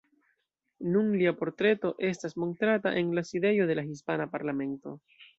Nun lia portreto estas montrata en la sidejo de la hispana parlamento.